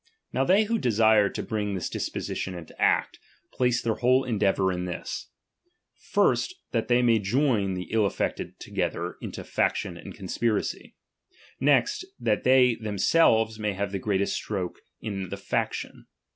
Now they who desire to bring this disposition into act, place their whole endeavour in this : first, that they may join the ill affected together into /action and conspiracy ; next, that themselves may have the greatest stroke in t\i& faction.